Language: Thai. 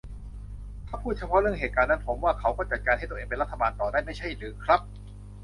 ถ้าพูดเฉพาะเรื่องเหตุการณ์นั้น ผมว่าเขาก็จัดการให้ตัวเองเป็นรัฐบาลต่อได้ไม่ใช่หรือครับ ?